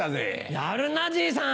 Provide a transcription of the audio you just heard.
やるなじいさん。